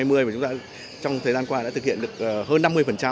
mà chúng ta trong thời gian qua đã thực hiện được hơn năm mươi